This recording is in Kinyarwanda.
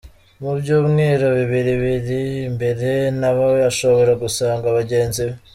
Mu byumweru bibiri biri imbere na we ashobora gusanga bagenzi be.